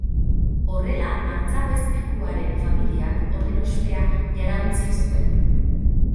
Horrela artzapezpikuaren familiak honen ospea jarauntsi zuen.